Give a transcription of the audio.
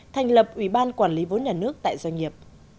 thành lập ủy ban quản lý vốn nhà nước tại doanh nghiệp